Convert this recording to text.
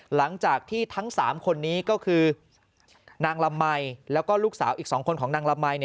หลังจากที่ทั้ง๓คนนี้ก็คือนางละมัยแล้วก็ลูกสาวอีก๒คนของนางละมัย